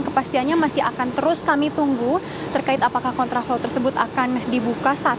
kepastiannya masih akan terus kami tunggu terkait apakah kontraflow tersebut akan dibuka saat